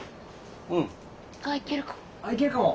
あっ行けるかも。